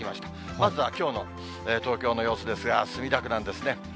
まずはきょうの東京の様子ですが、墨田区なんですね。